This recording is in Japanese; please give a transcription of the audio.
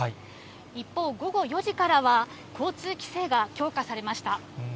一方、午後４時からは、交通規制が強化されました。